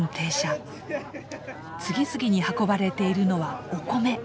次々に運ばれているのはお米。